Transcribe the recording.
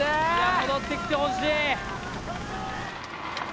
戻ってきてほしい！